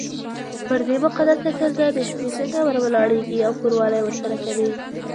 پر دې مقدسه ښځه د شپې څنګه ور ولاړېږې او کوروالی ورسره کوې.